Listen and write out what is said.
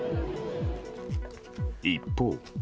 一方。